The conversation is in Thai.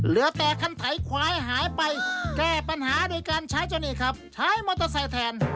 เหลือแต่คันไถควายหายไปแก้ปัญหาโดยการใช้จนเอกขับใช้มอเตอร์ไซค์แทน